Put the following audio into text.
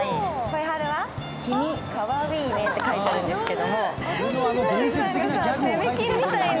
「君かわうぃーね」って書いてあるんですけど。